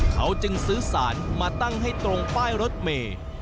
เขาจึงซื้อสารมาตั้งให้ตรงป้ายรถเมย์